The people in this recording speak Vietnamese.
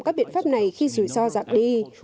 các biện pháp này khi rủi ro dạng đi